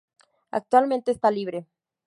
Actualmente esta libre.